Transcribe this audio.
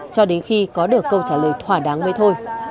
cho đến khi có được câu trả lời thỏa đáng với thôi